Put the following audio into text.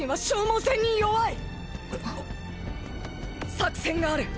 作戦がある。